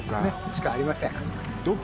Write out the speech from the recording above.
しかありません。